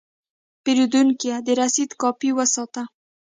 پیرودونکی د رسید کاپي وساته.